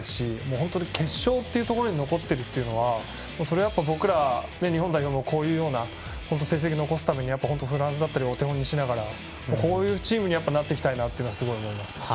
本当に決勝っていうところに残っているというのはそれは僕ら、日本代表のこういうような成績を残すために本当にフランスなんかをお手本にしながらこういうチームになっていきたいと思います。